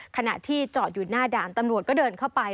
ขณะที่จอดอยู่หน้าด่านตำรวจก็เดินเข้าไป